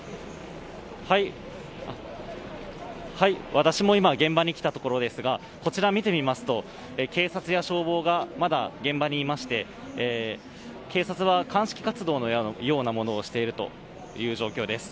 私も今現場に来たところですがこちら、見てみますと警察や消防がまだ現場にいまして警察は鑑識作業のようなことをしている状況です。